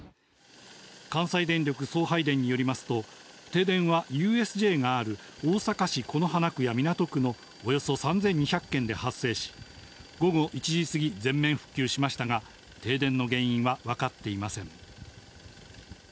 関西電力送配電によりますと、停電はＵＳＪがある、大阪市此花区や港区のおよそ３２００軒で発生し、午後１時過ぎ、全面復旧しましたが、停電の原因は分かっていません。